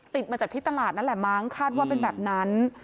ติดมาจากที่ตลาดนั่นแหละมั้งคาดว่าเป็นแบบนั้น